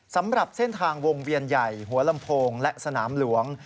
สำหรับเส้นทางวงเวียนใหญ่หัวลำโพงและสนามหลวง